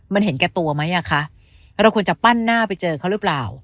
มันเห็นแก่ตัวไหมอ่ะคะเราควรจะปั้นหน้าไปเจอเขาหรือเปล่า